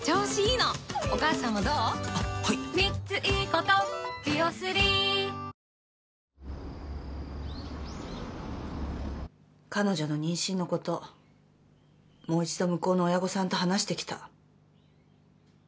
「お椀で食べるシリーズ」彼女の妊娠のこともう一度向こうの親御さんと話してきた。